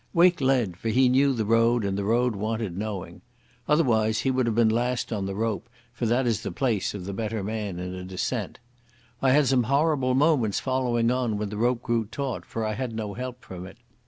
Wake led, for he knew the road and the road wanted knowing. Otherwise he should have been last on the rope, for that is the place of the better man in a descent. I had some horrible moments following on when the rope grew taut, for I had no help from it.